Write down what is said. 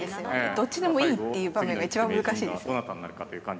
どっちでもいいっていう場面が一番難しいです。